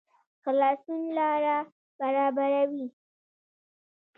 خلاصون لاره برابروي